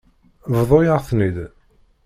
Bḍu-yaɣ-ten-id.